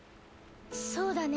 そうだね。